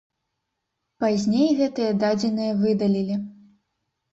Пазней гэтыя дадзеныя выдалілі.